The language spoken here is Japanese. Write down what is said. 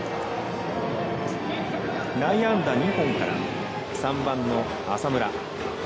内野安打２本から３番の浅村。